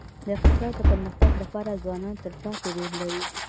د اقتصاد د پرمختګ لپاره ځوانان تلپاتې رول لري.